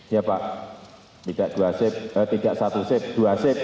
ya pak tidak satu sip dua sip